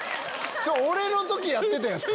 俺の時やってたやつ。